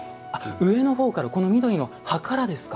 上のほうからこの緑の葉からですか。